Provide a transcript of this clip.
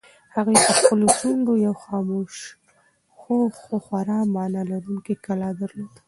هغې په خپلو شونډو یو خاموش خو خورا مانا لرونکی کلام درلود.